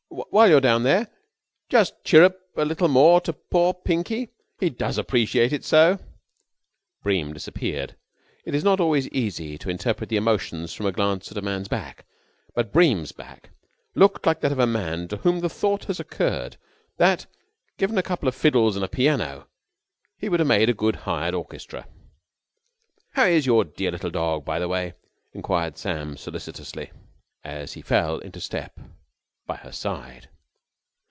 "While you're down there just chirrup a little more to poor Pinky. He does appreciate it so!" Bream disappeared. It is not always easy to interpret emotion from a glance at a man's back; but Bream's back looked like that of a man to whom the thought has occurred that, given a couple of fiddles and a piano, he would have made a good hired orchestra. "How is your dear little dog, by the way?" enquired Sam solicitously, as he fell into step by her side.